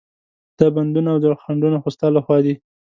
دا بندونه او خنډونه خو ستا له خوا دي.